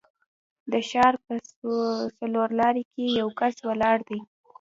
د ښار په څلورلارې کې یو کس ولاړ دی.